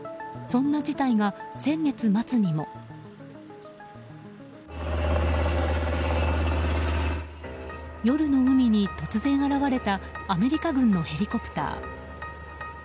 そんな事態が、先月末にも。夜の海に突然現れたアメリカ軍のヘリコプター。